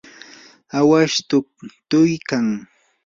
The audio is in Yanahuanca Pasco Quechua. awash tuktuykan.